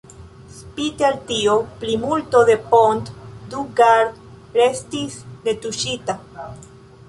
Spite al tio, plimulto de Pont du Gard restis netuŝita.